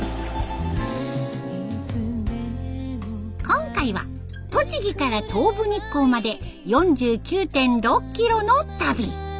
今回は栃木から東武日光まで４９．６キロの旅。